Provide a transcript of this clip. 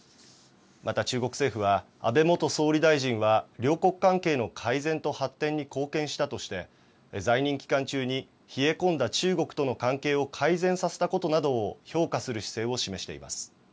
また、中国政府は安倍元総理大臣は両国関係の改善と発展に貢献したとして在任期間中に冷え込んだ中国との関係を改善させたことなどを評価する姿勢を示してます。